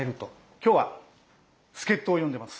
今日は助っ人を呼んでます。